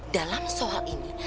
dalam soal ini